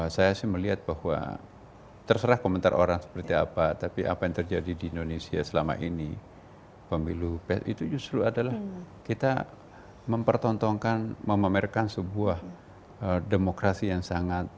saya sih melihat bahwa terserah komentar orang seperti apa tapi apa yang terjadi di indonesia selama ini pemilu itu justru adalah kita mempertontonkan memamerkan sebuah demokrasi yang sangat